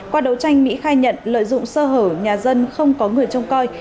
qua đấu tranh mỹ khai nhận lợi dụng sơ hở nhà dân không có người trông coi